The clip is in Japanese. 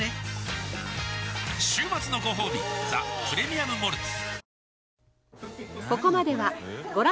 週末のごほうび「ザ・プレミアム・モルツ」